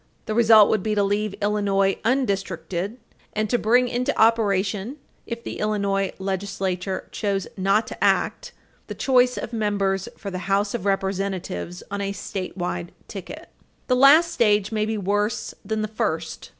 The result would be to leave Illinois undistricted, and to bring into operation, if the Illinois legislature chose not to act, the choice of members for the House of Representatives on a statewide ticket. The last stage may be worse than the first.